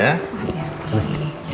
wah ya baik